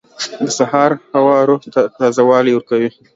• د سهار هوا روح ته تازه والی ورکوي.